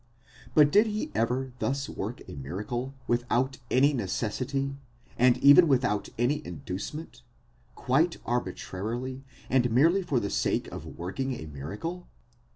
But did he ever thus work a miracle without any necessity, and even without any inducement,—quite arbitrarily, and merely for the sake of working a miracle?